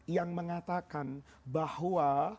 yang mengatakan bahwa